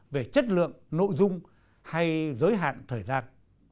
về chất lượng nội dung hay giới hạn thời gian